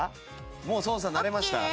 もう操作慣れました？